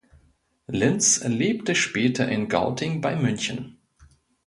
Linz lebte später in Gauting bei München.